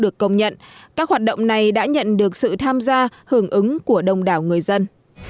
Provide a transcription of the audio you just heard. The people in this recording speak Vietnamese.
các hoạt động này đã nhận được sự tham gia hưởng ứng của đông đảo người dân